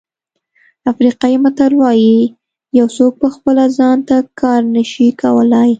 افریقایي متل وایي یو څوک په خپله ځان ته کار نه شي کولای.